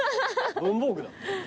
文房具だ。